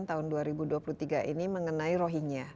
tahun dua ribu dua puluh tiga ini mengenai rohingya